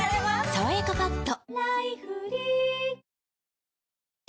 「さわやかパッド」